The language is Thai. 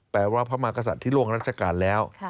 แปลว่าพระมากษัตริย์ที่ล่วงราชการแล้ว